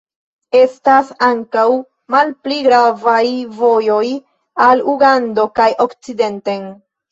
Estas ankaŭ malpli gravaj vojoj al Ugando kaj okcidenten.